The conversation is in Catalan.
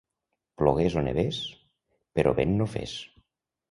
Plogués o nevés..., però vent no fes.